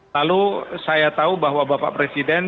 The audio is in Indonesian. lalu saya tahu bahwa bapak presiden